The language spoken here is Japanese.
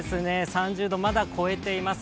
３０度、まだ超えています。